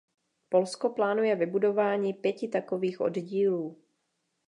Polsko plánuje vybudování pěti takových oddílů.